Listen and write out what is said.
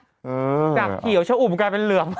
จากเขียวชะอุ่มกลายเป็นเหลือง